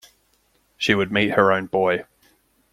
She would meet her own boy.